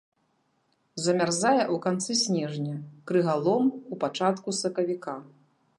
Замярзае ў канцы снежня, крыгалом у пачатку сакавіка.